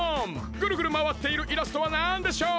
ぐるぐるまわっているイラストはなんでしょう？